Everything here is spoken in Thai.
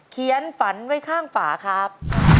เขียนฝันไว้ข้างฝาครับ